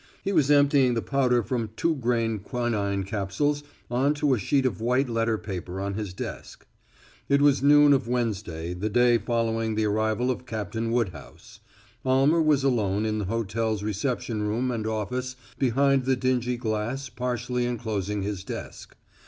He was emptying the powder from two grain quinine capsules on to a sheet of white letter paper on his desk. It was noon of Wednesday, the day following the arrival of Captain Woodhouse. Almer was alone in the hotel's reception room and office behind the dingy glass partially enclosing his desk.